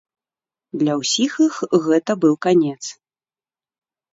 Для ўсіх іх гэта быў канец.